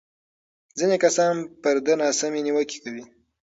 ځینې کسان پر ده ناسمې نیوکې کوي.